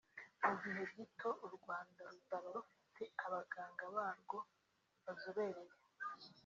mu gihe gito u Rwanda ruzaba rufite abaganga barwo bazobereye